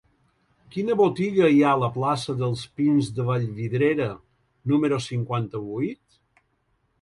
Quina botiga hi ha a la plaça dels Pins de Vallvidrera número cinquanta-vuit?